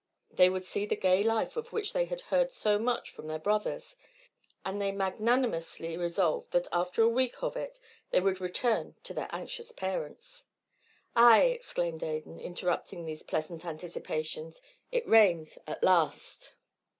They would see the gay life of which they had heard so much from their brothers; and they magnanimously resolved that after a week of it they would return to their anxious parents. "Ay!" exclaimed Adan, interrupting these pleasant anticipations, "it rains at last."